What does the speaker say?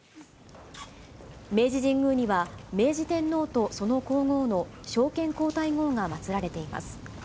明治神宮には、明治天皇とその皇后の昭憲皇太后が祭られています。